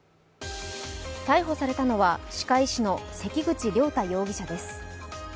逮捕されたのは歯科医師の関口了太容疑者です。